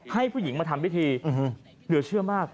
ให้ผู้หญิงมาทำพิธีเหลือเชื่อมาก